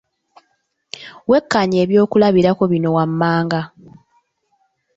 Wekkaanye eby'okulabirako bino wammanga.